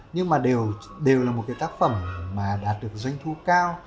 nhưng mà đều là một cái tác phẩm mà đạt được doanh thu cao